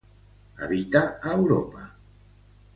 Habita a Europa.